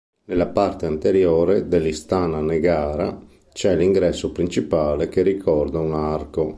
Nella parte anteriore dell'Istana Negara, c'è l'ingresso principale che ricorda un arco.